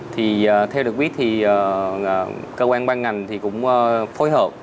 thì theo được biết thì cơ quan ban ngành thì cũng phối hợp